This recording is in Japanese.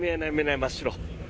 真っ白。